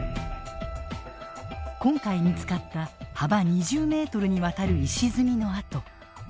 今回見つかった幅２０メートルにわたる石積みの跡。